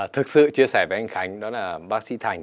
thực sự chia sẻ với anh khánh đó là bác sĩ thành